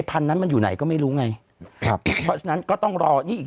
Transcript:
พันนั้นมันอยู่ไหนก็ไม่รู้ไงครับเพราะฉะนั้นก็ต้องรอนี่อีก